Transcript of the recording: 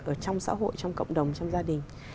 ở trong xã hội trong cộng đồng trong gia đình